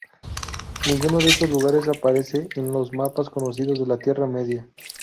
Ninguno de estos lugares aparecen en los mapas conocidos de la Tierra Media.